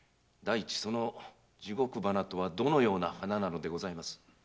第一その「地獄花」とはどのような花なのでございます？